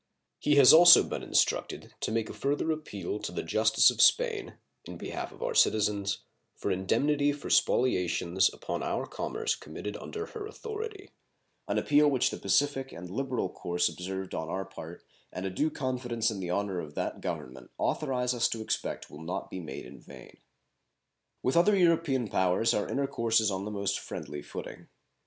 He has also been instructed to make a further appeal to the justice of Spain, in behalf of our citizens, for indemnity for spoliations upon our commerce committed under her authority an appeal which the pacific and liberal course observed on our part and a due confidence in the honor of that Government authorize us to expect will not be made in vain. With other European powers our intercourse is on the most friendly footing.